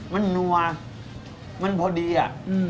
มันนัวมันพอดีอะ